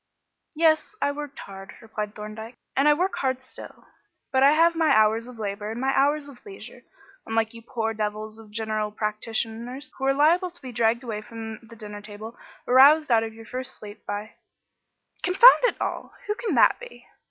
"Yes, I worked hard," replied Thorndyke, "and I work hard still; but I have my hours of labour and my hours of leisure, unlike you poor devils of general practitioners, who are liable to be dragged away from the dinner table or roused out of your first sleep by confound it all! who can that be?"